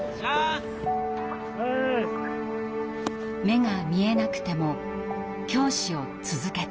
目が見えなくても教師を続けたい。